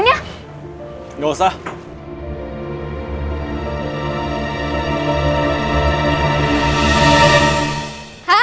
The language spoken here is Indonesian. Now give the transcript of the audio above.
nanti aku mau pesen aja